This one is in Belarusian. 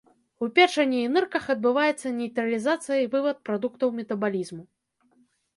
У печані і нырках адбываецца нейтралізацыя і вывад прадуктаў метабалізму.